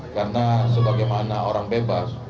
karena sebagaimana orang bebas